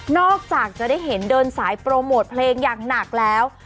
จากจะได้เห็นเดินสายโปรโมทเพลงอย่างหนักแล้ว